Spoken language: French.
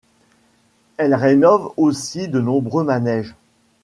Elle rénove aussi de nombreux manèges.